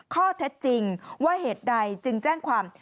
ข้อเท็จจริงว่าเหตุใดจึงแจ้งความ